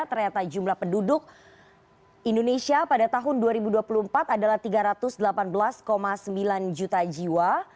ternyata jumlah penduduk indonesia pada tahun dua ribu dua puluh empat adalah tiga ratus delapan belas sembilan juta jiwa